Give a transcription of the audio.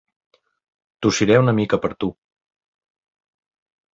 Tossiré un mica per tu